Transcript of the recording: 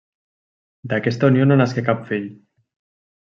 D'aquesta unió no nasqué cap fill.